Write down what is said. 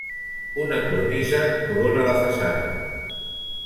Una cornisa corona la façana.